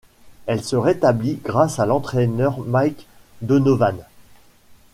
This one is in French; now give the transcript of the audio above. Elle se rétablit grâce à l'entraineur Mike Donovan.